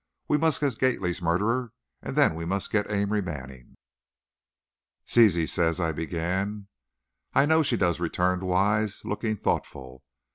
We must get Gately's murderer, and then we must get Amory Manning." "Zizi says " I began. "I know she does," returned Wise, looking thoughtful.